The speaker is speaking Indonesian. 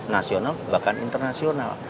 nasional bahkan internasional